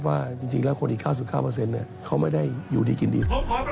ว่าจริงแล้วคนอีก๙๙เขาไม่ได้อยู่ดีกินดี